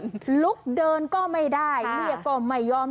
คือลุกเดินก็ไม่ได้ลีกก็ไม่ยอม